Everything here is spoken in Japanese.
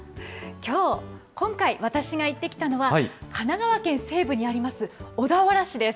きょう、今回、私が行ってきたのは、神奈川県西部にあります、小田原市です。